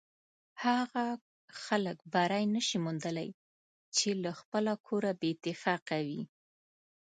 هغه خلک بری نشي موندلی چې له خپله کوره بې اتفاقه وي.